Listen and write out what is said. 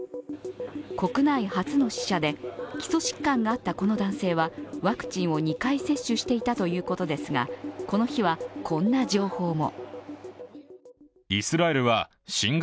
国内初の死者で、基礎疾患があったこの男性はワクチンを２回接種していたということですが、この日はこんな情報も。